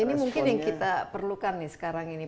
ini mungkin yang kita perlukan nih sekarang ini